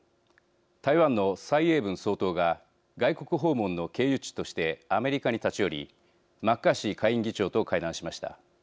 台湾の蔡英文総統が外国訪問の経由地としてアメリカに立ち寄りマッカーシー下院議長と会談しました。